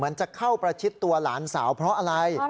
จะเข้าประชิดตัวหลานสาวเพราะอะไร